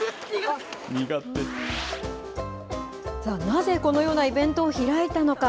なぜこのようなイベントを開いたのか。